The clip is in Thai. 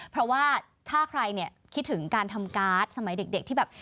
เพราะว่าถ้าใครเนี่ยคิดถึงการทำการ์ดสมัยเด็กที่แบบ